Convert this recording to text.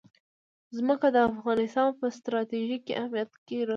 ځمکه د افغانستان په ستراتیژیک اهمیت کې رول لري.